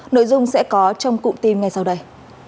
nội dung sẽ có trong cụm tin ngay sau đây